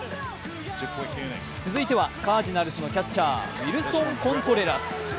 続いてはカージナルスのキャッチャー、ウィルソン・コントレラス。